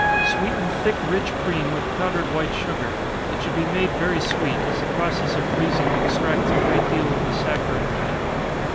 _ Sweeten thick rich cream with powdered white sugar it should be made very sweet, as the process of freezing extracts a great deal of the saccharine matter.